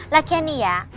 lagian nih ya